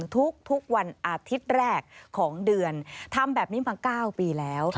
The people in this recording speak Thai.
ทุกวันอาทิตย์แรกของเดือนทำแบบนี้มา๙ปีแล้ว